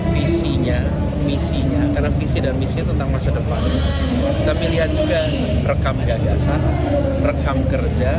visinya misinya karena visi dan misi tentang masa depan tapi lihat juga rekam gagasan rekam kerja